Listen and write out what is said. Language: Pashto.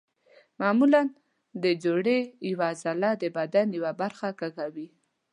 معمولا د جوړې یوه عضله د بدن یوه برخه کږوي.